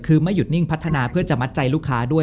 คือไม่หยุดนิ่งพัฒนาเพื่อจะมัดใจลูกค้าด้วย